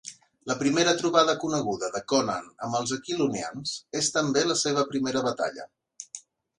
La primera trobada coneguda de Conan amb els Aquilonians és també la seva primera batalla.